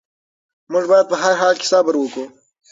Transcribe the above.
موږ باید په هر حال کې صبر وکړو.